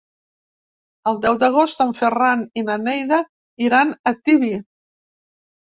El deu d'agost en Ferran i na Neida iran a Tibi.